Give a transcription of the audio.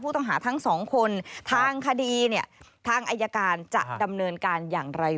ต้องหาทั้งสองคนทางคดีเนี่ยทางอายการจะดำเนินการอย่างไร